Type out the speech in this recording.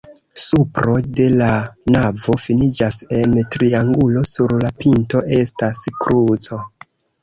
Supro de la navo finiĝas en triangulo, sur la pinto estas kruco.